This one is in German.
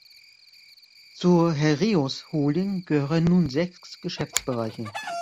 Zur Heraeus Holding gehören nun sechs Geschäftsbereiche.